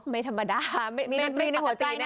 ไม่ธรรมดาไม่ปฏิบันนะ